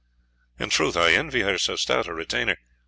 "In truth I envy her so stout a retainer.